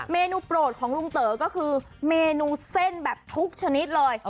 เมนูโปรดของลุงเต๋อก็คือเมนูเส้นแบบทุกชนิดเลย